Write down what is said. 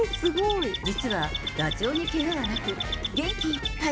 実は、ガチョウにけがはなく、元気いっぱい。